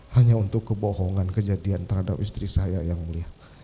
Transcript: hanya untuk kebohongan kejadian terhadap istri saya yang mulia